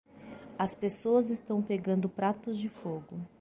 As pessoas estão pegando pratos de fogo.